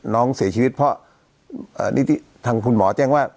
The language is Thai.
น้องเสียชีวิตเพราะนิติทางคุณหมอแจ้งว่า